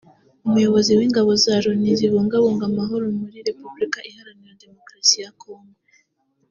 umuyobozi w’ingabo za Loni zibungabunga amahoro muir Repubulika Iharanira Demokarasi ya Congo